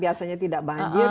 biasanya tidak banjir